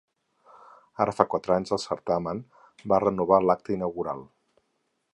Ara fa quatre anys, el certamen va renovar l’acte inaugural.